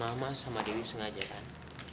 mama sama diri sengaja kan